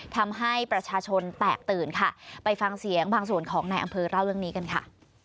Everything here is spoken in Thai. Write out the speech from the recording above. ทำให้ประชาชนแตกตื่นค่ะไปฟังเสียงบางส่วนของนายอำเภอเล่าเรื่องนี้กันค่ะ